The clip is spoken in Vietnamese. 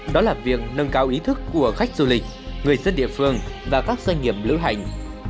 đó là việc nâng cao ý thức của khách du lịch người dân địa phương và các doanh nghiệp lữ hành